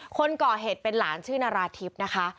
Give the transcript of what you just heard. คนก่อเหตุเป็นหลานชื่อนาราธิบนะคะ